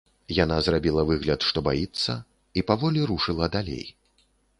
Яна зрабіла выгляд, што баіцца, і паволі рушыла далей.